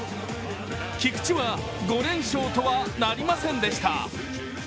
菊池は５連勝とはなりませんでした